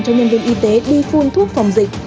cho nhân viên y tế đi phun thuốc phòng dịch